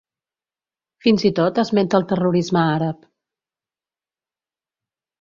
Fins i tot esmenta el terrorisme àrab.